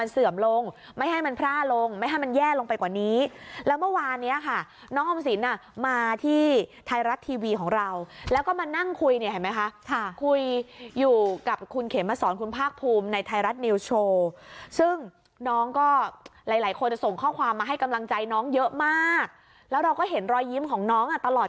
เสื่อมลงไม่ให้มันพร่าลงไม่ให้มันแย่ลงไปกว่านี้แล้วเมื่อวานเนี้ยค่ะน้องออมสินอ่ะมาที่ไทยรัฐทีวีของเราแล้วก็มานั่งคุยเนี่ยเห็นไหมคะค่ะคุยอยู่กับคุณเขมสอนคุณภาคภูมิในไทยรัฐนิวส์โชว์ซึ่งน้องก็หลายหลายคนจะส่งข้อความมาให้กำลังใจน้องเยอะมากแล้วเราก็เห็นรอยยิ้มของน้องอ่ะตลอด